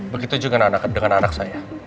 begitu juga dengan anak saya